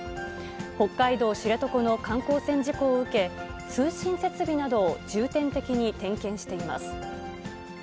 北海道知床の観光船事故を受け、通信設備などを重点的に点検しています。